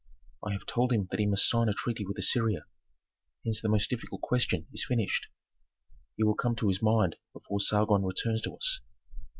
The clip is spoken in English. I have told him that he must sign a treaty with Assyria, hence the most difficult question is finished. He will come to his mind before Sargon returns to us.